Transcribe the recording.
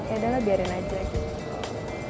yaudahlah biarin aja gitu